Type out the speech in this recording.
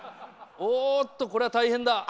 おっと、これは大変だ。